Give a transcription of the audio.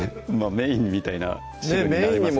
メインみたいな汁になりますね